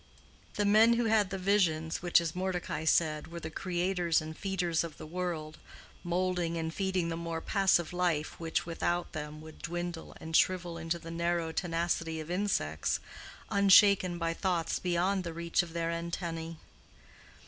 the men who had the visions which, as Mordecai said, were the creators and feeders of the world—moulding and feeding the more passive life which without them would dwindle and shrivel into the narrow tenacity of insects, unshaken by thoughts beyond the reach of their antennae.